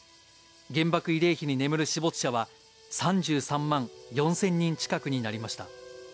原爆慰霊碑に眠る死没者は、３３万４０００人近くになりました。